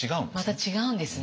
また違うんですね。